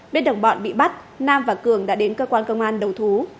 bên đồng bọn bị bắt nam và cường đã đến cơ quan công an đầu thú